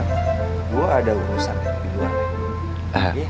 gue ada urusan gitu